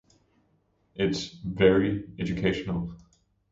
It's "very" educational.